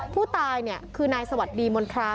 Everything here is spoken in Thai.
ผู้ตายคือนายสวัสดีมณฑรา